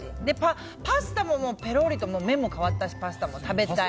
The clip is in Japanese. パスタもぺろりと麺も変わったしパスタも食べたい。